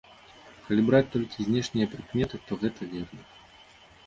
Калі браць толькі знешнія прыкметы, то гэта верна.